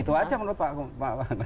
itu aja menurut pak